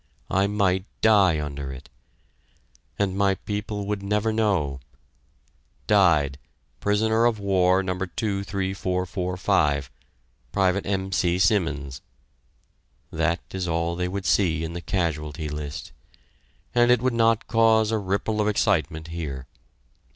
I might die under it! And my people would never know "Died Prisoner of War No. 23445, Pte. M. C. Simmons" that is all they would see in the casualty list, and it would not cause a ripple of excitement here.